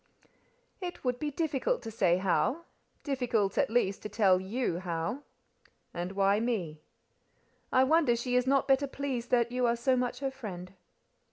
"It would be difficult to say how—difficult, at least, to tell you how." "And why me?" "I wonder she is not better pleased that you are so much her friend."